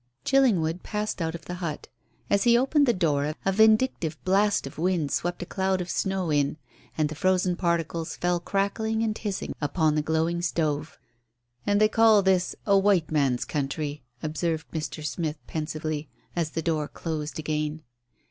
Chillingwood passed out of the hut. As he opened the door a vindictive blast of wind swept a cloud of snow in, and the frozen particles fell crackling and hissing upon the glowing stove. "And they call this a white man's country," observed Mr. Smith pensively, as the door closed again.